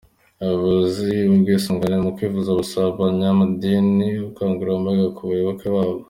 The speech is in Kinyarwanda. Abayobozi b’ubwisungane mu kwivuza basaba abanyamadini ubukangurambaga mu bayoboke babo.